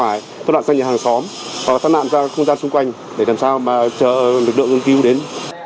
và thoát nạn ra không gian xung quanh để làm sao mà chờ lực lượng cưu đến